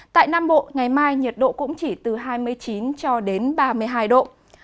tại nam bộ ngày mai nhiệt độ cũng chỉ từ hai mươi chín cho đến ba mươi hai độ